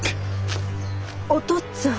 お父っつぁん？